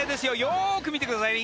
よーく見てください